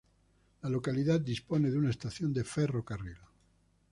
La localidad dispone de una estación de ferrocarril.